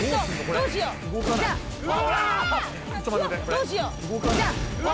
どうしよううわ！